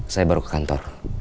saya baru ke kantor